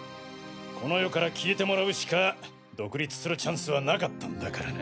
この世から消えてもらうしか独立するチャンスはなかったんだからな。